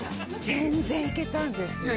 全然行けたんですよね